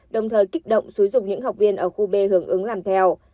đồng thời kích động xúi dục những học viên ở khu b hưởng ứng làm theo